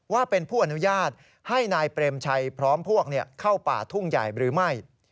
ว่าเป็นผู้อนุญาตให้นายเปรมชัยพร้อมพวกเข้าป่าทุ่งใหญ่หรือไม่